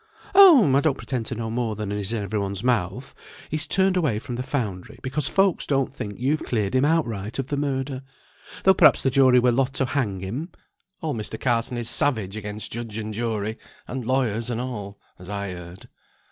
"Oh! I don't pretend to know more than is in every one's mouth: he's turned away from the foundry, because folks don't think you've cleared him outright of the murder; though perhaps the jury were loth to hang him. Old Mr. Carson is savage against judge and jury, and lawyers and all, as I heard."